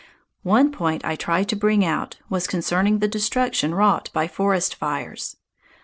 One point I tried to bring out was concerning the destruction wrought by forest fires.